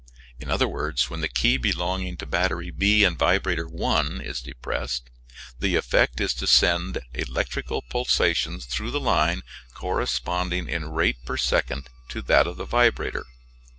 In other words, when the key belonging to battery B and vibrator 1 is depressed (see Fig. 4) the effect is to send electrical pulsations through the line corresponding in rate per second to that of the vibrator.